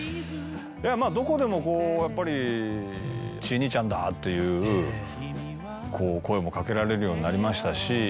いやまぁどこでもこうやっぱり。っていう声もかけられるようになりましたし。